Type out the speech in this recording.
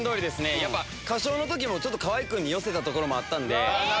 やっぱ歌唱のときも、ちょっと河合君に寄せたところもあったんで。